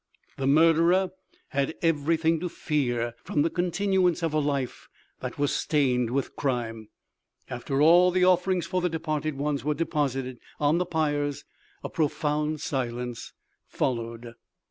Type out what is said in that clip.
The murderer had everything to fear from the continuance of a life that was stained with crime. After all the offerings for the departed ones were deposited on the pyres, a profound silence followed.